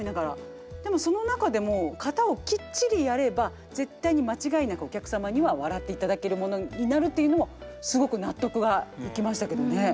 でもその中でも型をきっちりやれば絶対に間違いなくお客様には笑っていただけるものになるっていうのもすごく納得がいきましたけどね。